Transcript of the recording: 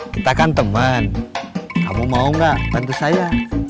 kita kan temen kamu mau gak bantu saya